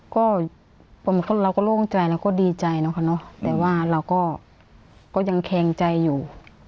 ก็ร่วมใจก็ดีใจแต่เราก็ยังแขงใจอยู่